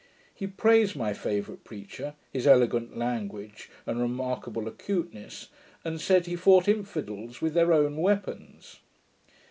He praised my favourite preacher, his elegant language, and remarkable acuteness; and said, he fought infidels with their own weapons.